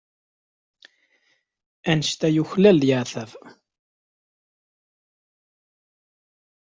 Anect-a yuklal leɛtab.